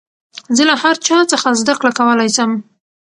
زه له هر چا څخه زدکړه کولاى سم.